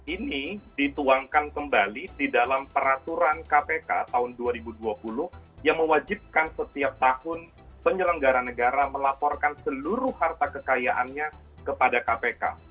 ini dituangkan kembali di dalam peraturan kpk tahun dua ribu dua puluh yang mewajibkan setiap tahun penyelenggara negara melaporkan seluruh harta kekayaannya kepada kpk